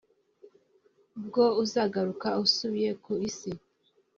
bwo uzagaruka usubiye ku isi